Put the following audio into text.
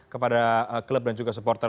kepada klub dan juga supporter